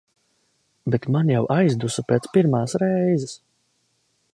Bet man jau aizdusa pēc pirmās reizes.